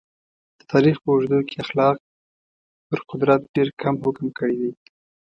د تاریخ په اوږدو کې اخلاق پر قدرت ډېر کم حکم کړی دی.